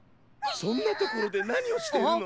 そんなところでなにをしてるの！